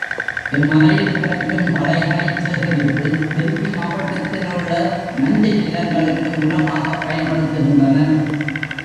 இம்மலையில் கிடைக்கும் தழைகளைச் சேகரித்து, திருச்சி மாவட்டத்திலுள்ள நஞ்சை நிலங்களுக்கு உரமாகப் பயன்படுத்துகின்றனர்.